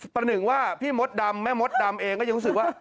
ประหนึ่งว่าพี่มดดำแม่มดดำเองก็ยังรู้สึกว่า